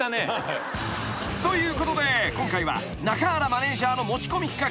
［ということで今回は中原マネジャーの持ち込み企画］